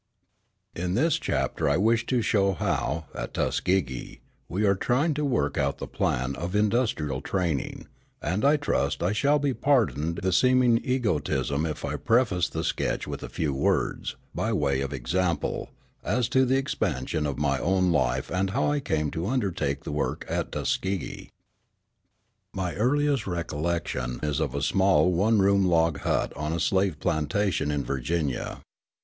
In this chapter I wish to show how, at Tuskegee, we are trying to work out the plan of industrial training, and trust I shall be pardoned the seeming egotism if I preface the sketch with a few words, by way of example, as to the expansion of my own life and how I came to undertake the work at Tuskegee. My earliest recollection is of a small one room log hut on a slave plantation in Virginia.